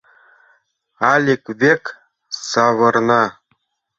— Алик век савырна.